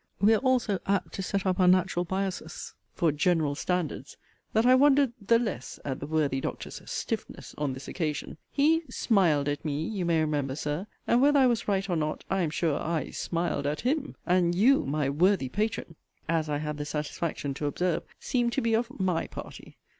We are all so apt to set up our 'natural biasses' for 'general standards,' that I wondered 'the less' at the worthy Doctor's 'stiffness' on this occasion. He 'smiled at me,' you may remember, Sir and, whether I was right or not, I am sure I 'smiled at him.' And 'you,' my 'worthy patron,' (as I had the satisfaction to observe,) seemed to be of 'my party.'